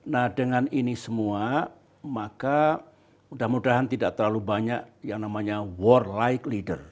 nah dengan ini semua maka mudah mudahan tidak terlalu banyak yang namanya war like leader